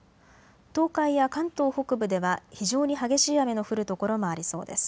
東海や関東北部では非常に激しい雨の降る所もありそうです。